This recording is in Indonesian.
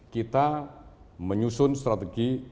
kita menyusun strategi